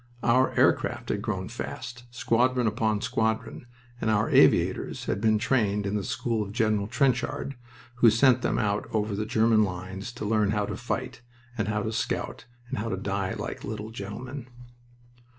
Our aircraft had grown fast, squadron upon squadron, and our aviators had been trained in the school of General Trenchard, who sent them out over the German lines to learn how to fight, and how to scout, and how to die like little gentlemen.